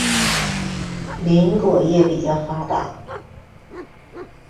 林果业比较发达。